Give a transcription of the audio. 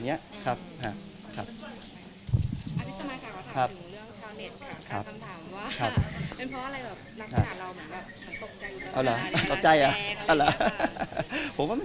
มีว่ามีอะไรอย่างเงี้ย